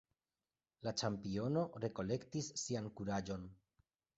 La ĉampiono rekolektis sian kuraĝon.